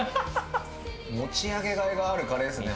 持ち上げがいがあるカレーですね。